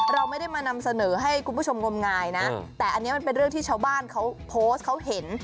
เราไม่ได้มานำเสนอให้คุณผู้ชมงมงายนะแต่อันนี้มันเป็นเรื่องที่ชาวบ้านเขาโพสต์เขาเห็น